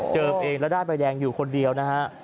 เองแล้วได้ใบแดงอยู่คนเดียวนะฮะ